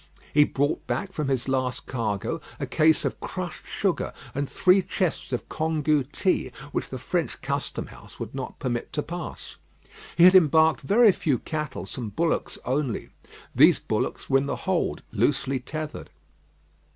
He brought back from his last cargo a case of crushed sugar and three chests of congou tea, which the French custom house would not permit to pass. He had embarked very few cattle; some bullocks only. These bullocks were in the hold loosely tethered.